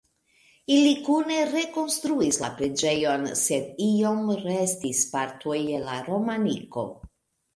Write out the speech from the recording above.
Ili kune rekonstruis la preĝejon, sed iom restis partoj el la romaniko.